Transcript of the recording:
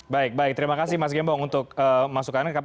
baik baik terima kasih mas gembong untuk masukannya